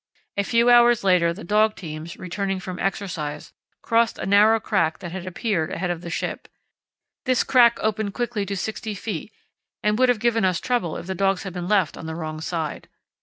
A few hours later the dog teams, returning from exercise, crossed a narrow crack that had appeared ahead of the ship. This crack opened quickly to 60 ft. and would have given us trouble if the dogs had been left on the wrong side.